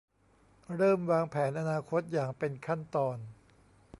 เริ่มวางแผนอนาคตอย่างเป็นขั้นตอน